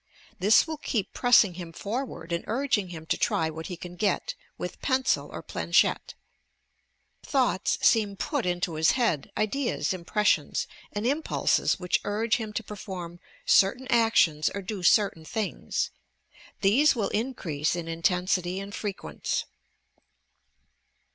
This will keep pressing him forward and urging bim to "try what he can get" with pencil or planchette. Thoughts seem put into bis head, ideas, impressions and impulses which urge him to perform certain actions or do certain things. These will increase in intensity and frequence.